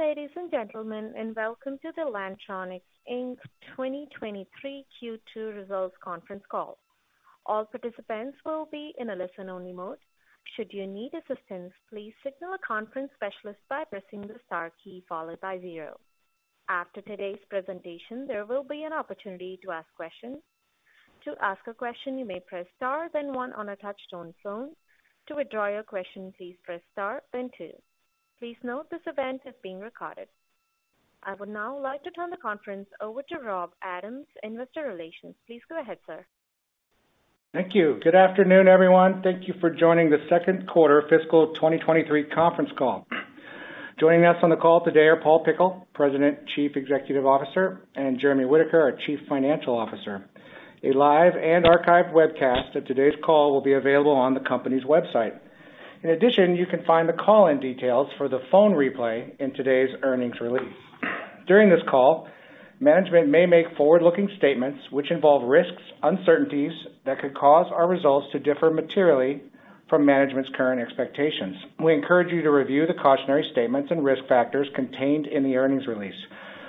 Good day, ladies and gentlemen, and welcome to the Lantronix Inc. 2023 Q2 Results Conference Call. All participants will be in a listen-only mode. Should you need assistance, please signal a conference specialist by pressing the star key followed by zero. After today's presentation, there will be an opportunity to ask questions. To ask a question, you may press star then one on a touch-tone phone. To withdraw your question, please press star then two. Please note this event is being recorded. I would now like to turn the conference over to Rob Adams, Investor Relations. Please go ahead, sir. Thank you. Good afternoon, everyone. Thank you for joining the Q2 fiscal 2023 conference call. Joining us on the call today are Paul Pickle, President Chief Executive Officer, and Jeremy Whitaker, our Chief Financial Officer. A live and archived webcast of today's call will be available on the company's website. In addition, you can find the call-in details for the phone replay in today's earnings release. During this call, management may make forward-looking statements which involve risks, uncertainties that could cause our results to differ materially from management's current expectations. We encourage you to review the cautionary statements and risk factors contained in the earnings release,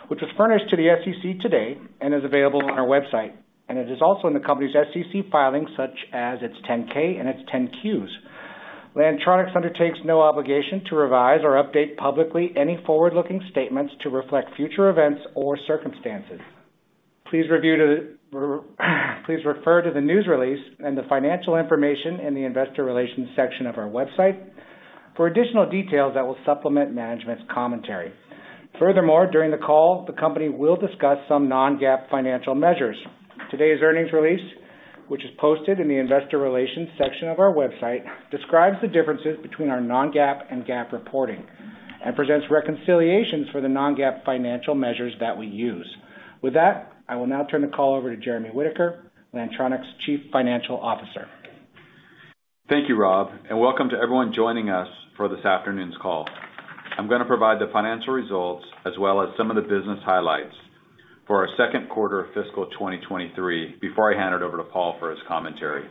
which was furnished to the SEC today and is available on our website. It is also in the company's SEC filings, such as its 10-K and its 10-Qs. Lantronix undertakes no obligation to revise or update publicly any forward-looking statements to reflect future events or circumstances. Please refer to the news release and the financial information in the investor relations section of our website for additional details that will supplement management's commentary. During the call, the company will discuss some non-GAAP financial measures. Today's earnings release, which is posted in the investor relations section of our website, describes the differences between our non-GAAP and GAAP reporting and presents reconciliations for the non-GAAP financial measures that we use. With that, I will now turn the call over to Jeremy Whitaker, Lantronix Chief Financial Officer. Thank you, Rob, and welcome to everyone joining us for this afternoon's call. I'm gonna provide the financial results as well as some of the business highlights for our Q2 of fiscal 2023 before I hand it over to Paul for his commentary.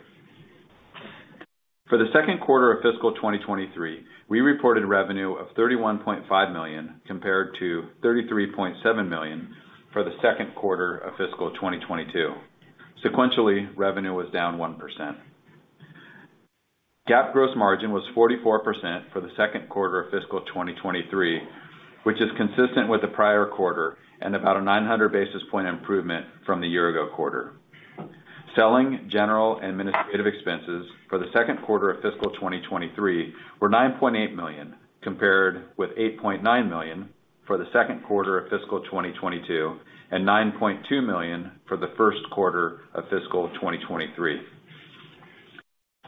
For the Q2 of fiscal 2023, we reported revenue of $31.5 million compared to $33.7 million for the Q2 of fiscal 2022. Sequentially, revenue was down 1%. GAAP gross margin was 44% for the Q2 of fiscal 2023, which is consistent with the prior quarter and about a 900 basis point improvement from the year ago quarter. Selling, general, and administrative expenses for the Q2 of fiscal 2023 were $9.8 million, compared with $8.9 million for the Q2 of fiscal 2022 and $9.2 million for the Q1 of fiscal 2023.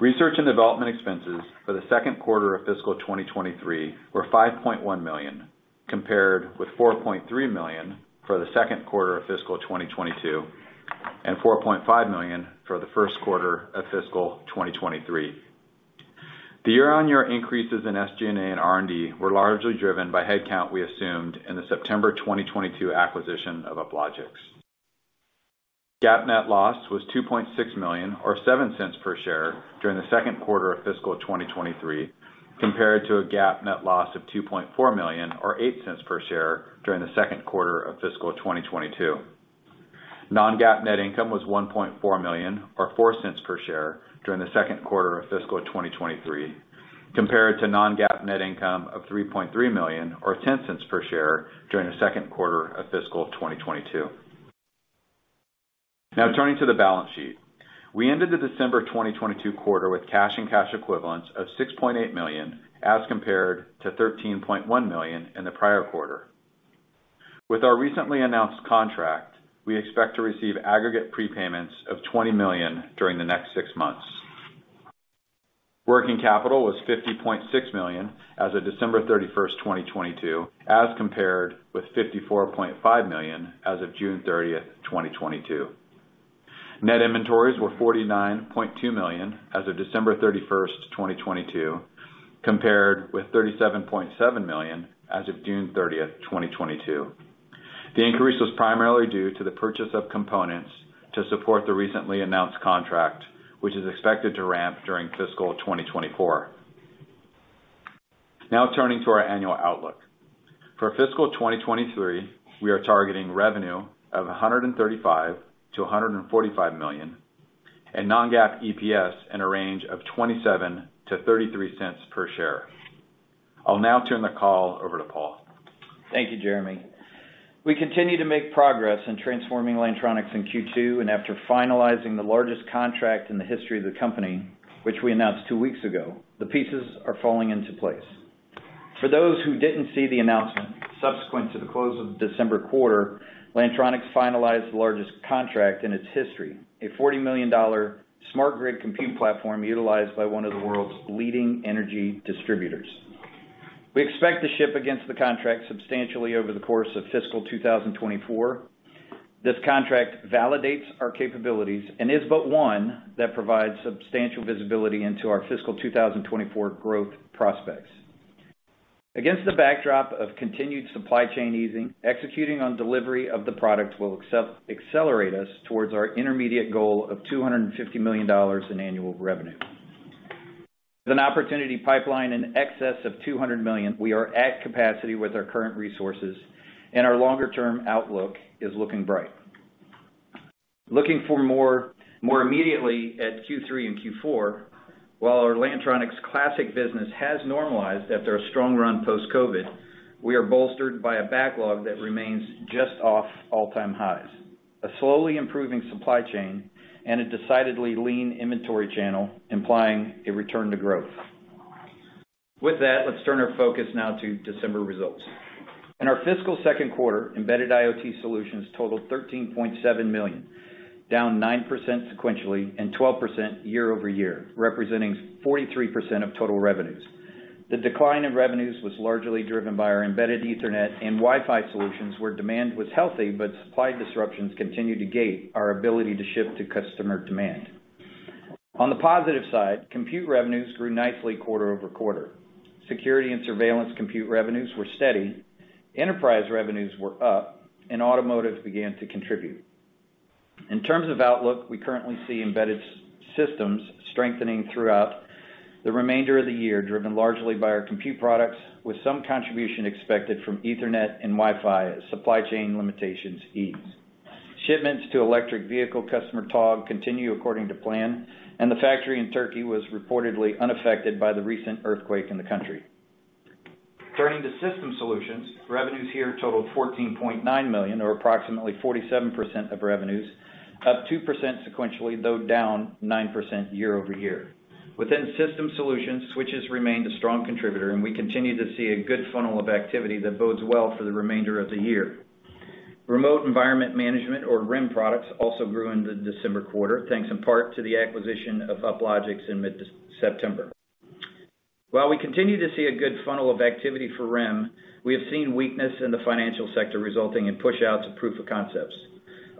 Research and development expenses for the Q2 of fiscal 2023 were $5.1 million, compared with $4.3 million for the Q2 of fiscal 2022 and $4.5 million for the Q1 of fiscal 2023. The year-on-year increases in SG&A and R&D were largely driven by headcount we assumed in the September 2022 acquisition of Uplogix. GAAP net loss was $2.6 million or $0.07 per share during the Q2 of fiscal 2023, compared to a GAAP net loss of $2.4 million or $0.08 per share during the Q2 of fiscal 2022. Non-GAAP net income was $1.4 million or $0.04 per share during the Q2 of fiscal 2023, compared to non-GAAP net income of $3.3 million or $0.10 per share during the Q2 of fiscal 2022. Now turning to the balance sheet. We ended the December 2022 quarter with cash and cash equivalents of $6.8 million as compared to $13.1 million in the prior quarter. With our recently announced contract, we expect to receive aggregate prepayments of $20 million during the next six months. Working capital was $50.6 million as of 31 December 2022, as compared with $54.5 million as of 30 June 2022. Net inventories were $49.2 million as of31 December 2022, compared with $37.7 million as of 30 June 2022. The increase was primarily due to the purchase of components to support the recently announced contract, which is expected to ramp during fiscal 2024. Turning to our annual outlook. For fiscal 2023, we are targeting revenue of $135 million-$145 million and non-GAAP EPS in a range of $0.27-$0.33 per share. I'll now turn the call over to Paul. Thank you, Jeremy. We continue to make progress in transforming Lantronix in Q2, and after finalizing the largest contract in the history of the company, which we announced two weeks ago, the pieces are falling into place. For those who didn't see the announcement, subsequent to the close of the December quarter, Lantronix finalized the largest contract in its history, a $40 million smart grid compute platform utilized by one of the world's leading energy distributors. We expect to ship against the contract substantially over the course of fiscal 2024. This contract validates our capabilities and is but one that provides substantial visibility into our fiscal 2024 growth prospects. Against the backdrop of continued supply chain easing, executing on delivery of the product will accelerate us towards our intermediate goal of $250 million in annual revenue. With an opportunity pipeline in excess of $200 million, we are at capacity with our current resources. Our longer-term outlook is looking bright. Looking for more immediately at Q3 and Q4, while our Lantronix classic business has normalized after a strong run post-COVID, we are bolstered by a backlog that remains just off all-time highs, a slowly improving supply chain, and a decidedly lean inventory channel implying a return to growth. With that, let's turn our focus now to December results. In our fiscal Q2, embedded IoT solutions totaled $13.7 million, down 9% sequentially and 12% year-over-year, representing 43% of total revenues. The decline in revenues was largely driven by our embedded Ethernet and Wi-Fi solutions, where demand was healthy, but supply disruptions continued to gate our ability to ship to customer demand. On the positive side, compute revenues grew nicely quarter over quarter. Security and surveillance compute revenues were steady, enterprise revenues were up, and automotive began to contribute. In terms of outlook, we currently see embedded systems strengthening throughout the remainder of the year, driven largely by our compute products, with some contribution expected from Ethernet and Wi-Fi as supply chain limitations ease. Shipments to electric vehicle customer, Togg, continue according to plan, and the factory in Turkey was reportedly unaffected by the recent earthquake in the country. Turning to system solutions, revenues here totaled $14.9 million, or approximately 47% of revenues, up 2% sequentially, though down 9% year-over-year. Within system solutions, switches remained a strong contributor, and we continue to see a good funnel of activity that bodes well for the remainder of the year. Remote environment management, or REM products, also grew in the December quarter, thanks in part to the acquisition of Uplogix in mid-September. While we continue to see a good funnel of activity for REM, we have seen weakness in the financial sector resulting in pushouts of proof of concepts.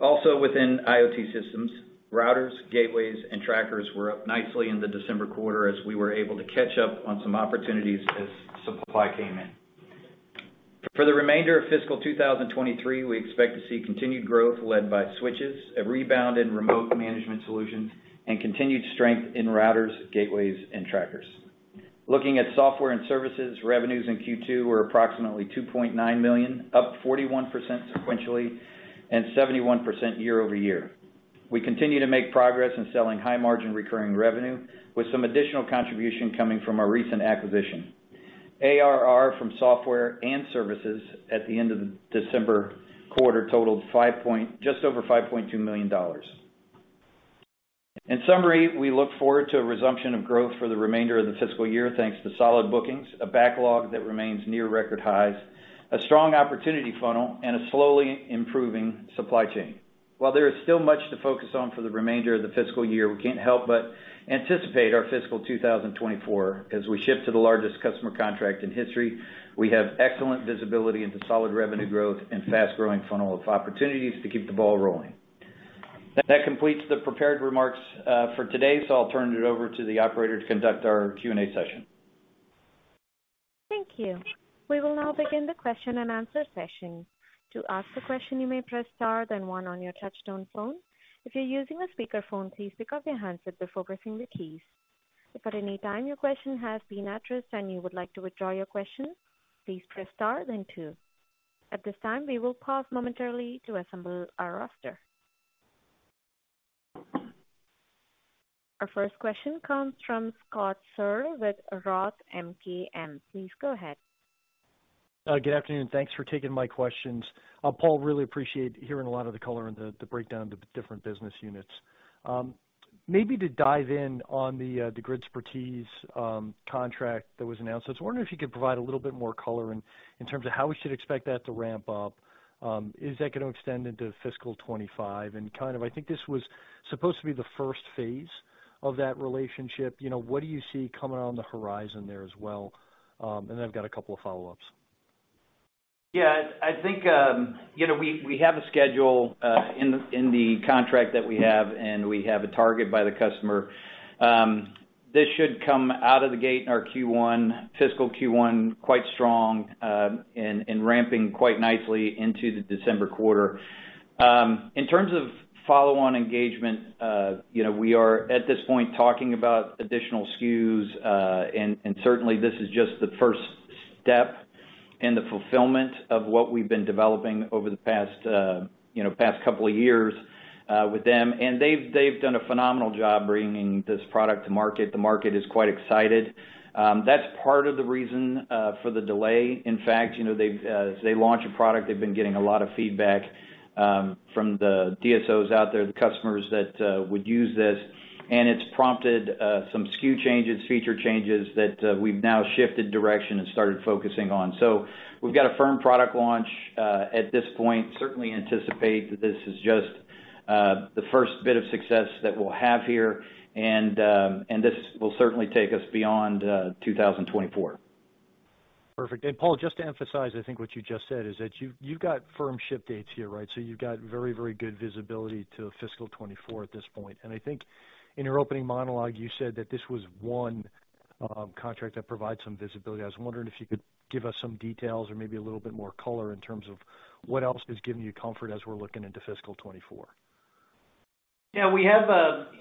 Also within IoT systems, routers, gateways, and trackers were up nicely in the December quarter as we were able to catch up on some opportunities as supply came in. For the remainder of fiscal 2023, we expect to see continued growth led by switches, a rebound in remote management solutions, and continued strength in routers, gateways, and trackers. Looking at software and services, revenues in Q2 were approximately $2.9 million, up 41% sequentially and 71% year-over-year. We continue to make progress in selling high-margin recurring revenue, with some additional contribution coming from our recent acquisition. ARR from software and services at the end of the December quarter totaled just over $5.2 million. We look forward to a resumption of growth for the remainder of the fiscal year, thanks to solid bookings, a backlog that remains near record highs, a strong opportunity funnel, and a slowly improving supply chain. There is still much to focus on for the remainder of the fiscal year, we can't help but anticipate our fiscal 2024 as we ship to the largest customer contract in history. We have excellent visibility into solid revenue growth and fast-growing funnel of opportunities to keep the ball rolling. That completes the prepared remarks for today, so I'll turn it over to the operator to conduct our Q&A session. Thank you. We will now begin the question and answer session. To ask a question, you may press star then one on your touchtone phone. If you're using a speakerphone, please pick up your handset before pressing the keys. If at any time your question has been addressed and you would like to withdraw your question, please press star then two. At this time, we will pause momentarily to assemble our roster. Our first question comes from Scott Searle with Roth MKM. Please go ahead. Good afternoon, and thanks for taking my questions. Paul Pickle, really appreciate hearing a lot of the color and the breakdown of the different business units. Maybe to dive in on the Gridspertise contract that was announced. I was wondering if you could provide a little bit more color in terms of how we should expect that to ramp up. Is that gonna extend into fiscal 2025? Kind of I think this was supposed to be the first phase of that relationship. You know, what do you see coming on the horizon there as well? I've got a couple of follow-ups. Yeah. I think, you know, we have a schedule in the contract that we have, and we have a target by the customer. This should come out of the gate in our Q1, fiscal Q1, quite strong, and ramping quite nicely into the December quarter. In terms of follow-on engagement, you know, we are, at this point, talking about additional SKUs. Certainly, this is just the first step in the fulfillment of what we've been developing over the past, you know, past couple of years with them. They've done a phenomenal job bringing this product to market. The market is quite excited. That's part of the reason for the delay. In fact, you know, they've, as they launch a product, they've been getting a lot of feedback, from the DSOs out there, the customers that would use this, and it's prompted some SKU changes, feature changes that we've now shifted direction and started focusing on. We've got a firm product launch at this point. Certainly anticipate that this is just the first bit of success that we'll have here, and this will certainly take us beyond 2024. Perfect. Paul, just to emphasize, I think, what you just said, is that you've got firm ship dates here, right? You've got very good visibility to fiscal 2024 at this point. I think in your opening monologue, you said that this was one contract that provides some visibility. I was wondering if you could give us some details or maybe a little bit more color in terms of what else is giving you comfort as we're looking into fiscal 2024. We have,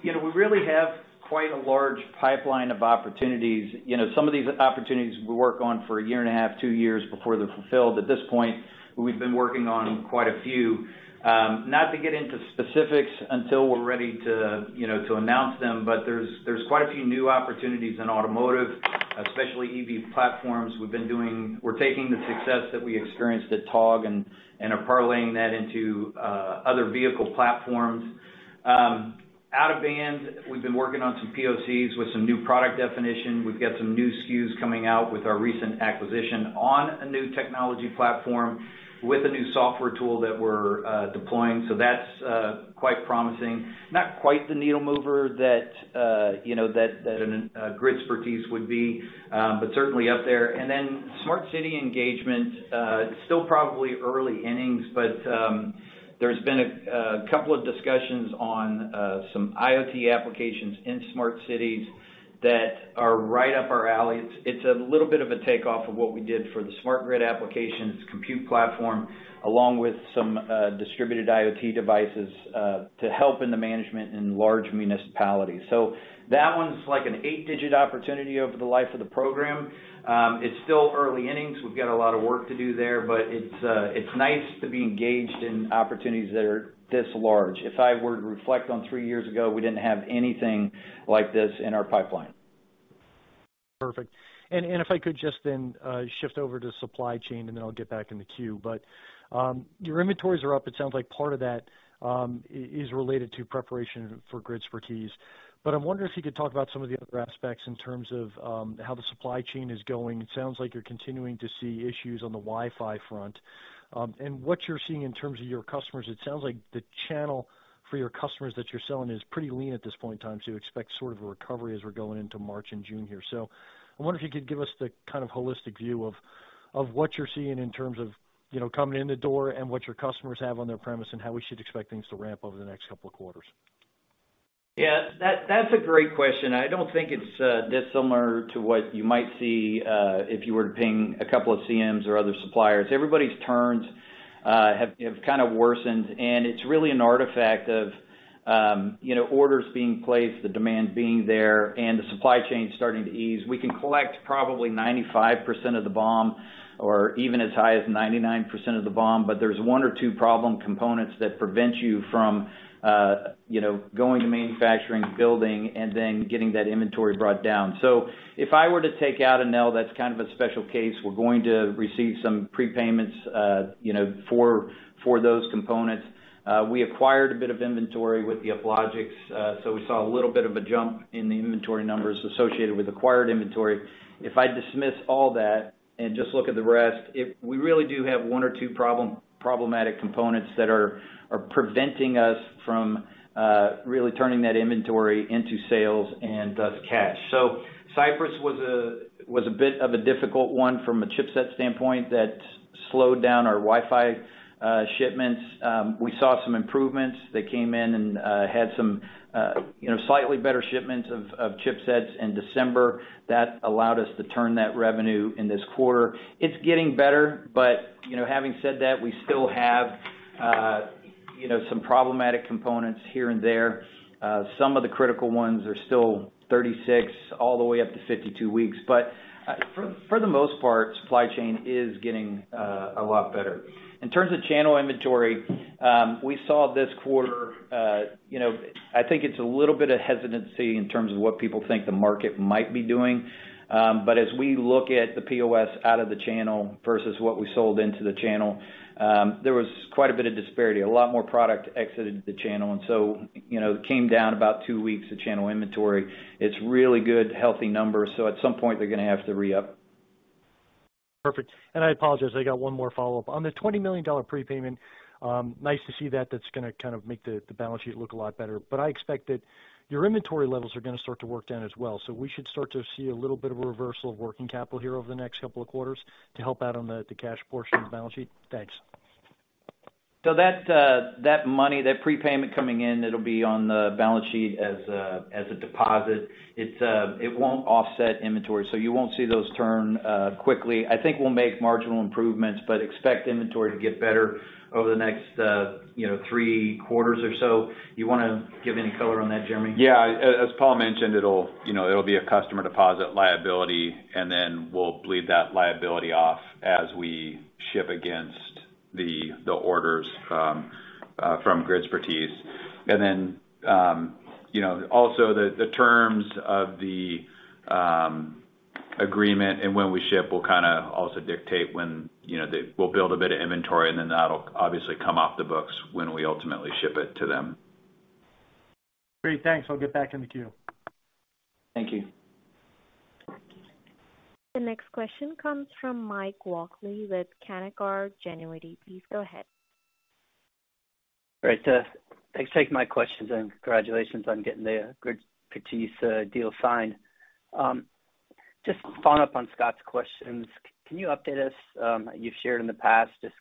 you know, we really have quite a large pipeline of opportunities. You know, some of these opportunities we work on for a year and a half, two years before they're fulfilled. At this point, we've been working on quite a few. Not to get into specifics until we're ready to, you know, to announce them, but there's quite a few new opportunities in automotive, especially EV platforms we've been doing. We're taking the success that we experienced at TOG and are parlaying that into other vehicle platforms. Out of band, we've been working on some POCs with some new product definition. We've got some new SKUs coming out with our recent acquisition on a new technology platform with a new software tool that we're deploying. That's quite promising. Not quite the needle mover that, you know, that Gridspertise would be, but certainly up there. Then smart city engagement, it's still probably early innings, but there's been a couple of discussions on some IoT applications in smart cities that are right up our alley. It's a little bit of a takeoff of what we did for the smart grid applications compute platform, along with some distributed IoT devices to help in the management in large municipalities. That one's like an eight-digit opportunity over the life of the program. It's still early innings. We've got a lot of work to do there, but it's nice to be engaged in opportunities that are this large. If I were to reflect on 3 years ago, we didn't have anything like this in our pipeline. Perfect. If I could just then shift over to supply chain, and then I'll get back in the queue. Your inventories are up. It sounds like part of that is related to preparation for Gridspertise. I'm wondering if you could talk about some of the other aspects in terms of how the supply chain is going. It sounds like you're continuing to see issues on the Wi-Fi front. What you're seeing in terms of your customers, it sounds like the channel for your customers that you're selling is pretty lean at this point in time, so you expect sort of a recovery as we're going into March and June here. I wonder if you could give us the kind of holistic view of what you're seeing in terms of, you know, coming in the door and what your customers have on their premise and how we should expect things to ramp over the next couple of quarters. Yeah. That's a great question. I don't think it's dissimilar to what you might see if you were to ping a couple of CMs or other suppliers. Everybody's turns have kind of worsened, it's really an artifact of, you know, orders being placed, the demand being there, and the supply chain starting to ease. We can collect probably 95% of the BOM or even as high as 99% of the BOM, there's one or two problem components that prevent you from, you know, going to manufacturing, building, and then getting that inventory brought down. If I were to take out Enel that's kind of a special case, we're going to receive some prepayments, you know, for those components. We acquired a bit of inventory with the Uplogix, so we saw a little bit of a jump in the inventory numbers associated with acquired inventory. If I dismiss all that and just look at the rest, we really do have one or two problematic components that are preventing us from really turning that inventory into sales and thus cash. Cypress was a bit of a difficult one from a chipset standpoint that slowed down our Wi-Fi shipments. We saw some improvements that came in and had some, you know, slightly better shipments of chipsets in December. That allowed us to turn that revenue in this quarter. It's getting better, but, you know, having said that, we still have, you know, some problematic components here and there. Some of the critical ones are still 36 all the way up to 52 weeks. For the most part, supply chain is getting a lot better. In terms of channel inventory, we saw this quarter, you know, I think it's a little bit of hesitancy in terms of what people think the market might be doing. As we look at the POS out of the channel versus what we sold into the channel, there was quite a bit of disparity. A lot more product exited the channel, you know, it came down about two weeks of channel inventory. It's really good, healthy numbers. At some point they're gonna have to re-up. Perfect. I apologize, I got one more follow-up. On the $20 million prepayment, nice to see that that's gonna kind of make the balance sheet look a lot better. I expect that your inventory levels are gonna start to work down as well. We should start to see a little bit of a reversal of working capital here over the next couple of quarters to help out on the cash portion of the balance sheet? Thanks. That money, that prepayment coming in, it'll be on the balance sheet as a deposit. It won't offset inventory, you won't see those turn quickly. I think we'll make marginal improvements, but expect inventory to get better over the next, you know, three quarters or so. You wanna give any color on that, Jeremy? Yeah. As Paul mentioned, it'll, you know, it'll be a customer deposit liability, and then we'll bleed that liability off as we ship against the orders from Gridspertise. Then, you know, also the terms of the agreement and when we ship will kind of also dictate when, you know, we'll build a bit of inventory, and then that'll obviously come off the books when we ultimately ship it to them. Great. Thanks. I'll get back in the queue. Thank you. The next question comes from Mike Walkley with Canaccord Genuity. Please go ahead. Great. Thanks for taking my questions, and congratulations on getting the Gridspertise deal signed. Just following up on Scott's questions. Can you update us, you've shared in the past, just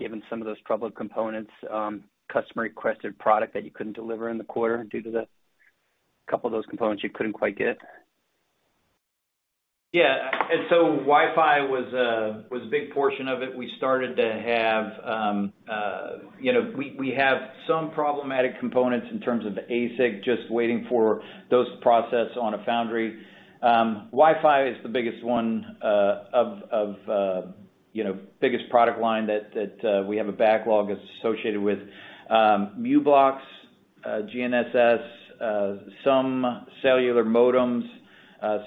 given some of those troubled components, customer requested product that you couldn't deliver in the quarter due to the couple of those components you couldn't quite get Wi-Fi was a big portion of it. We started to have, you know, we have some problematic components in terms of the ASIC, just waiting for those to process on a foundry. Wi-Fi is the biggest one, you know, biggest product line that we have a backlog that's associated with u-blox, GNSS, some cellular modems,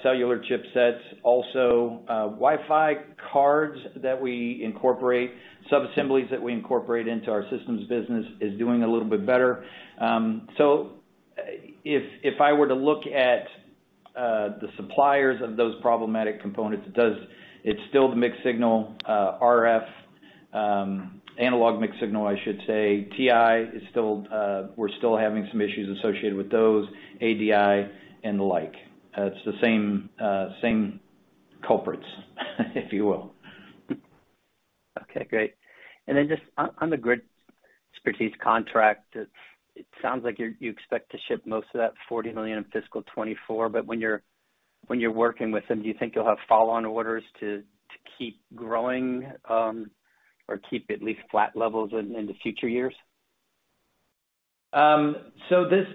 cellular chipsets, also, Wi-Fi cards that we incorporate, sub-assemblies that we incorporate into our systems business is doing a little bit better. If I were to look at the suppliers of those problematic components, it's still the mixed signal, RF, analog mixed signal, I should say. TI is still, we're still having some issues associated with those, ADI and the like, it's the same culprits, if you will. Okay, great. Just on the Gridspertise contract, it sounds like you expect to ship most of that $40 million in fiscal 2024. When you're working with them, do you think you'll have follow-on orders to keep growing or keep at least flat levels in the future years? The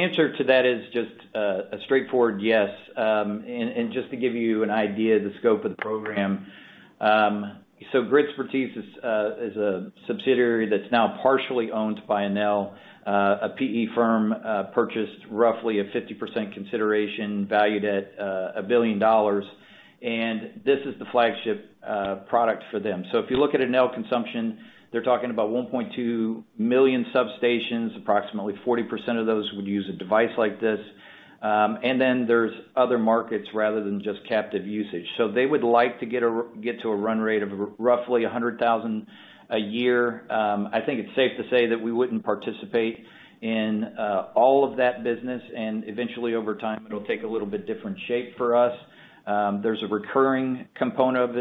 answer to that is just a straightforward yes. Just to give you an idea of the scope of the program, Gridspertise is a subsidiary that's now partially owned by Enel. A PE firm purchased roughly a 50% consideration valued at $1 billion, this is the flagship product for them. If you look at Enel consumption, they're talking about 1.2 million substations. Approximately 40% of those would use a device like this. Then there's other markets rather than just captive usage. They would like to get to a run rate of roughly 100,000 a year. I think it's safe to say that we wouldn't participate in all of that business, and eventually, over time, it'll take a little bit different shape for us. There's a recurring component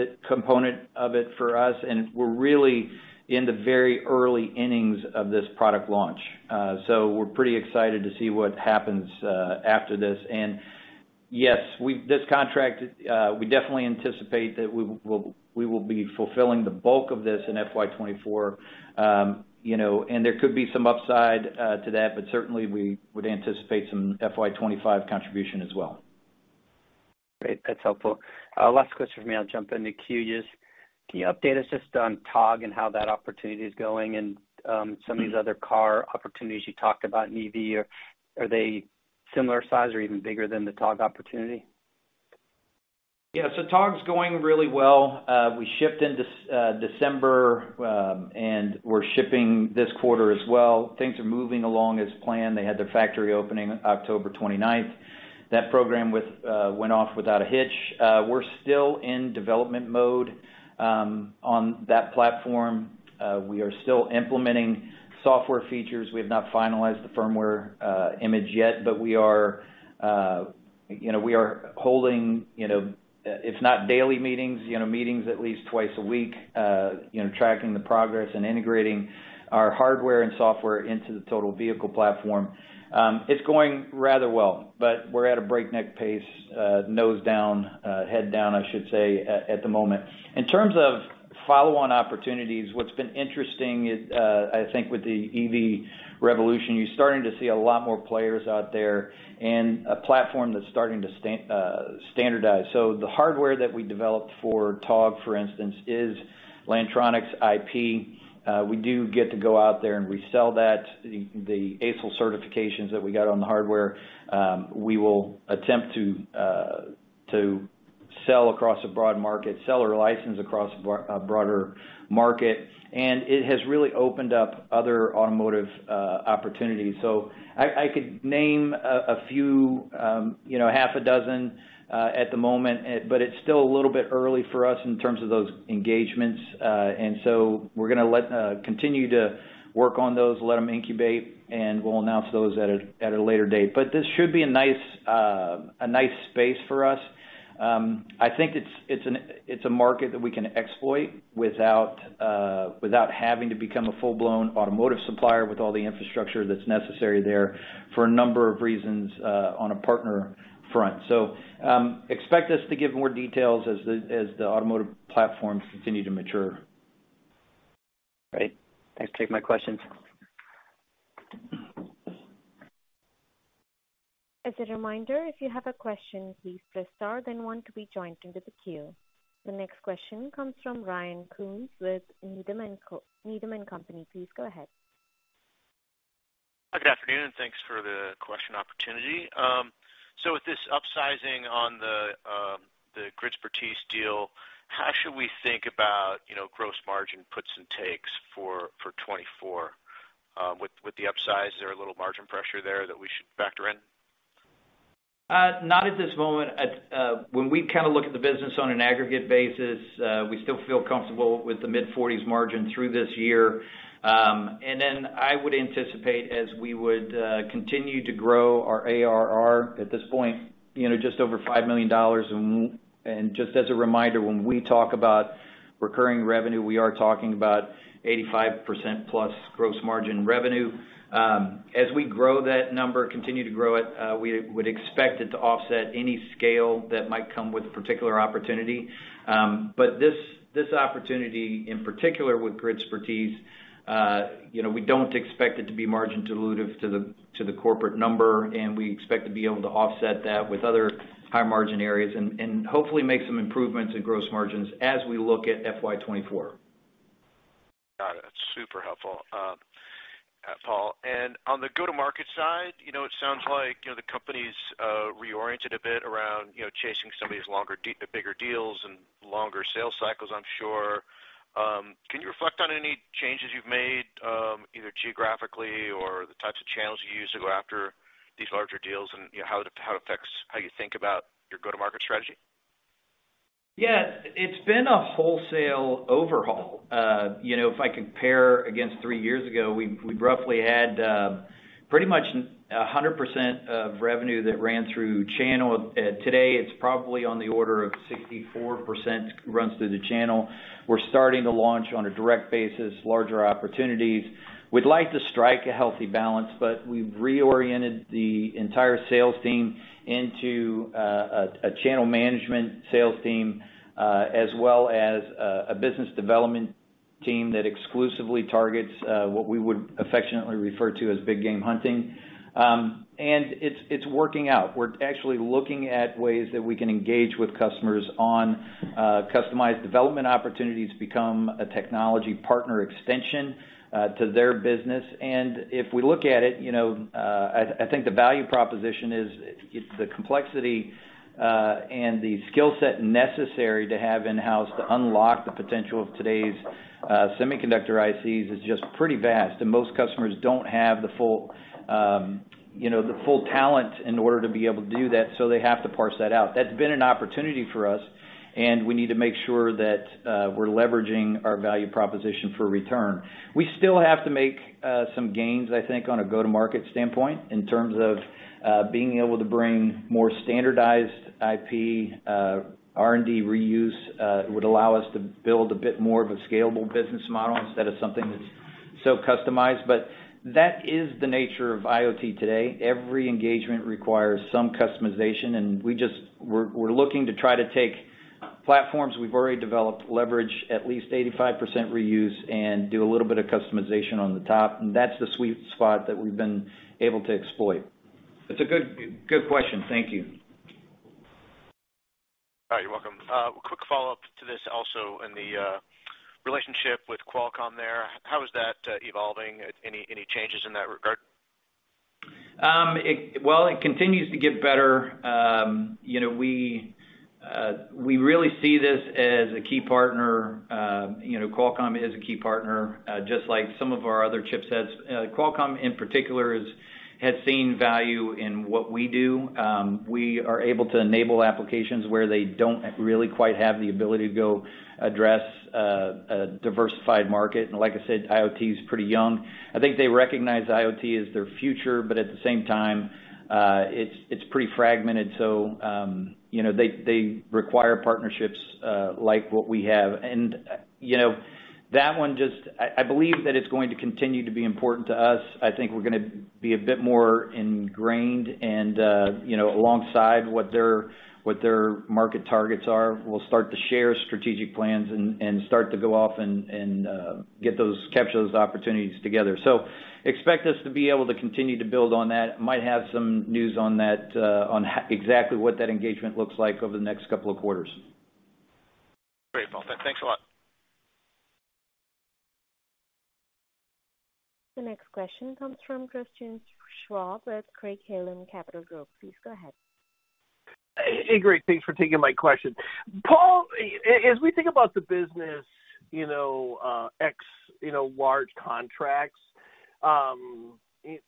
of it for us, and we're really in the very early innings of this product launch. We're pretty excited to see what happens after this. Yes, this contract, we definitely anticipate that we will be fulfilling the bulk of this in fiscal 2024. You know, and there could be some upside to that, but certainly we would anticipate some FY 2025 contribution as well. Great. That's helpful. Last question from me, I'll jump in the queue is, can you update us just on TOG and how that opportunity is going and, some of these other car opportunities you talked about in EV? Are they similar size or even bigger than the TOG opportunity? Yeah. TOG's going really well. We shipped in December, and we're shipping this quarter as well. Things are moving along as planned. They had their factory opening 29 October. That program went off without a hitch. We're still in development mode on that platform. We are still implementing software features. We have not finalized the firmware image yet, but we are, you know, we are holding, you know, if not daily meetings, you know, meetings at least twice a week, you know, tracking the progress and integrating our hardware and software into the total vehicle platform. It's going rather well, but we're at a breakneck pace, nose down, head down, I should say, at the moment. In terms of follow-on opportunities, what's been interesting is, I think with the EV revolution, you're starting to see a lot more players out there and a platform that's starting to standardize. The hardware that we developed for TOG, for instance, is Lantronix IP. We do get to go out there and resell that. The, the ASIL certifications that we got on the hardware, we will attempt to sell across a broad market, sell or license across a broader market. It has really opened up other automotive opportunities. I could name a few, you know, half a dozen, at the moment, but it's still a little bit early for us in terms of those engagements. We're gonna let continue to work on those, let them incubate, and we'll announce those at a later date. This should be a nice, a nice space for us. I think it's an, it's a market that we can exploit without having to become a full-blown automotive supplier with all the infrastructure that's necessary there for a number of reasons on a partner front. Expect us to give more details as the automotive platforms continue to mature. Great. That's it for my questions. As a reminder, if you have a question, please press star then one to be joined into the queue. The next question comes from Ryan Koontz with Needham & Company. Please go ahead. Hi, good afternoon, and thanks for the question opportunity. With this upsizing on the Gridspertise deal, how should we think about, you know, gross margin puts and takes for 2024, with the upsize? Is there a little margin pressure there that we should factor in? Not at this moment. When we kind of look at the business on an aggregate basis, we still feel comfortable with the mid-40s margin through this year. Then I would anticipate as we would continue to grow our ARR at this point, you know, just over $5 million. Just as a reminder, when we talk about recurring revenue, we are talking about 85% plus gross margin revenue. As we grow that number, continue to grow it, we would expect it to offset any scale that might come with a particular opportunity. This opportunity in particular with Gridspertise, you know, we don't expect it to be margin dilutive to the corporate number, and we expect to be able to offset that with other high-margin areas and hopefully make some improvements in gross margins as we look at fiscal 2024. Got it. Super helpful, Paul. On the go-to-market side, you know, it sounds like, you know, the company's reoriented a bit around, you know, chasing some of these longer bigger deals and longer sales cycles, I'm sure. Can you reflect on any changes you've made, either geographically or the types of channels you use to go after these larger deals and, you know, how it, how it affects how you think about your go-to-market strategy? Yeah. It's been a wholesale overhaul. you know, if I compare against three years ago, we roughly had pretty much 100% of revenue that ran through channel. today, it's probably on the order of 64% runs through the channel. We're starting to launch on a direct basis, larger opportunities. We'd like to strike a healthy balance, but we've reoriented the entire sales team into a channel management sales team, as well as a business development team that exclusively targets what we would affectionately refer to as big game hunting. and it's working out. We're actually looking at ways that we can engage with customers on customized development opportunities to become a technology partner extension, to their business. If we look at it, you know, I think the value proposition is it's the complexity and the skill set necessary to have in-house to unlock the potential of today's semiconductor ICs is just pretty vast, and most customers don't have the full, you know, the full talent in order to be able to do that, so they have to parse that out. That's been an opportunity for us, and we need to make sure that we're leveraging our value proposition for return. We still have to make some gains, I think, on a go-to-market standpoint in terms of being able to bring more standardized IP. R&D reuse would allow us to build a bit more of a scalable business model instead of something that's so customized. That is the nature of IoT today. Every engagement requires some customization, and we're looking to try to take platforms we've already developed, leverage at least 85% reuse, and do a little bit of customization on the top, and that's the sweet spot that we've been able to exploit. It's a good question. Thank you. All right. You're welcome. quick follow-up to this also in the, relationship with Qualcomm there, how is that, evolving? Any changes in that regard? Well, it continues to get better. You know, we really see this as a key partner. You know, Qualcomm is a key partner, just like some of our other chipsets. Qualcomm in particular has seen value in what we do. We are able to enable applications where they don't really quite have the ability to go address a diversified market. Like I said, IoT is pretty young. I think they recognize IoT as their future, but at the same time, it's pretty fragmented. You know, they require partnerships like what we have. You know, that one just, I believe that it's going to continue to be important to us. I think we're gonna be a bit more ingrained and, you know, alongside what their market targets are. We'll start to share strategic plans and start to go off and get those, capture those opportunities together. Expect us to be able to continue to build on that. Might have some news on that exactly what that engagement looks like over the next couple of quarters. Great, Paul. Thanks a lot. The next question comes from Christian Schwab at Craig-Hallum Capital Group. Please go ahead. Hey, great. Thanks for taking my question. Paul, as we think about the business, you know, ex, you know, large contracts,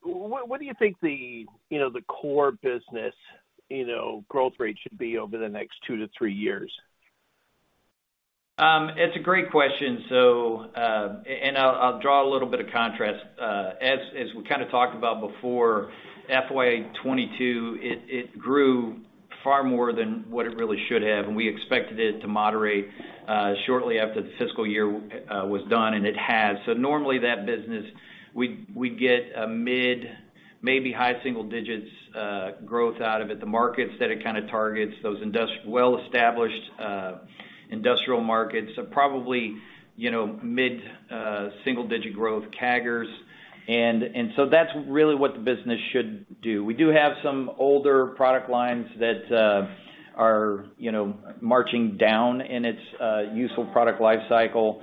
what do you think the, you know, the core business, you know, growth rate should be over the next two to three years? It's a great question. I'll draw a little bit of contrast. As we kind of talked about before, fiscal 2022, it grew far more than what it really should have, and we expected it to moderate shortly after the fiscal year was done, and it has. Normally that business, we get a mid, maybe high single digits growth out of it. The markets that it kind of targets, those well-established industrial markets are probably, you know, mid-single digit growth CAGRs. That's really what the business should do. We do have some older product lines that are, you know, marching down in its useful product life cycle.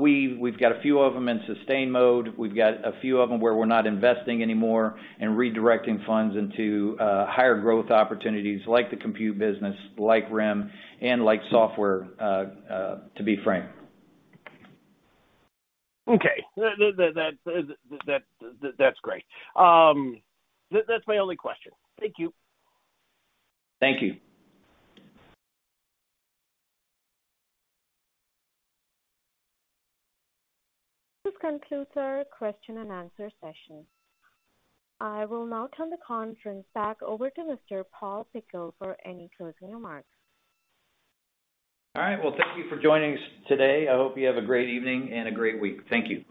We've got a few of them in sustain mode. We've got a few of them where we're not investing anymore and redirecting funds into, higher growth opportunities like the compute business, like REM, and like software, to be frank. Okay. That's great. That's my only question. Thank you. Thank you. This concludes our question and answer session. I will now turn the conference back over to Mr. Paul Pickle for any closing remarks. All right. Well, thank you for joining us today. I hope you have a great evening and a great week. Thank you.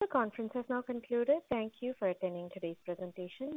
The conference has now concluded. Thank you for attending today's presentation.